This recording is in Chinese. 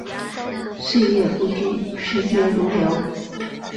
岁月不居，时节如流。